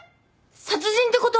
殺人ってこと？